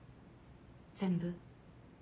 全部？